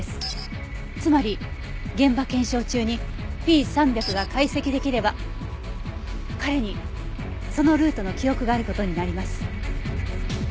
つまり現場検証中にＰ３００が解析出来れば彼にそのルートの記憶がある事になります。